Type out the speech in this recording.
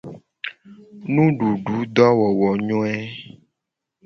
Nudududowowonyoe.